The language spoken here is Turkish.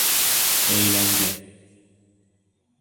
Eğlence!